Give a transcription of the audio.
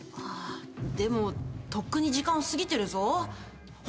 でもとっくに時間過ぎてるぞ。